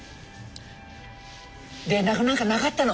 連絡何かなかったの？